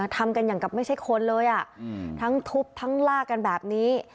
ทำกันอย่างกับไม่ใช่คนเลยทั้งทุบทั้งลากกันแบบนี้